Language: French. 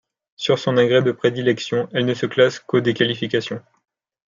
Sur son agrès de prédilection, elle ne se classe qu'au des qualifications.